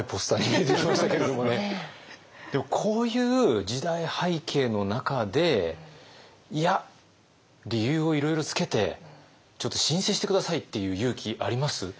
でもこういう時代背景の中でいや理由をいろいろつけてちょっと「申請してください」って言う勇気あります？